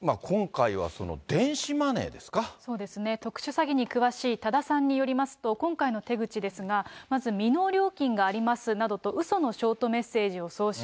そうですね、特殊詐欺に詳しい多田さんによりますと、今回の手口ですが、まず未納料金がありますなどと、うそのショーとメッセージを送信。